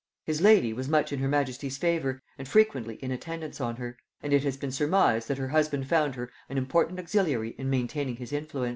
His lady was much in her majesty's favor and frequently in attendance on her; and it has been surmised that her husband found her an important auxiliary in maintaining his influence.